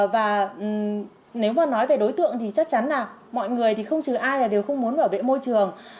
và nếu mà nói về đối tượng thì chắc chắn là mọi người thì không trừ ai là đều không muốn bảo vệ môi trường